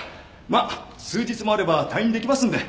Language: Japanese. まっ数日もあれば退院できますんで。